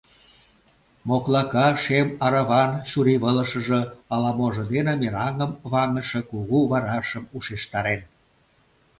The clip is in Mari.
Моклака шем араван чурийвылышыже ала-можо дене мераҥым ваҥыше кугу варашым ушештарен.